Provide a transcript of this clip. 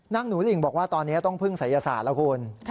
หนูหลิ่งบอกว่าตอนนี้ต้องพึ่งศัยศาสตร์แล้วคุณ